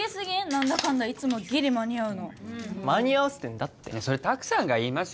何だかんだいつもギリ間に合うの間に合わせてんだってそれ拓さんが言います？